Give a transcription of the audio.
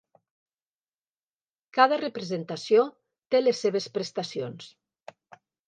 Cada representació té les seves prestacions.